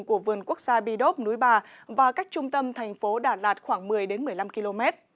của vườn quốc gia bidop núi bà và cách trung tâm thành phố đà lạt khoảng một mươi một mươi năm km